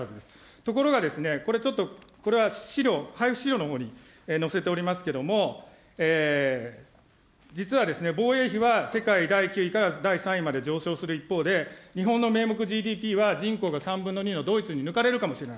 ところが、これちょっと、これは資料、配付資料のほうに載せておりますけれども、実は防衛費は世界第９位から第３位まで上昇する一方で、日本の名目ＧＤＰは人口が３分の２のドイツに抜かれるかもしれな